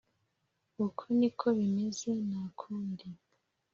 uko niko bimeze nakundi